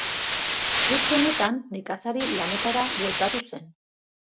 Urte honetan nekazari lanetara bueltatu zen.